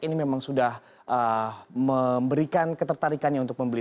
ini memang sudah memberikan ketertarikannya untuk membeli